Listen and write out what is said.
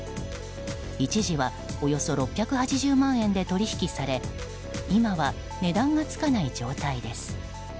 一時はおよそ６８０万円で取引され今は値段がつかない状態です。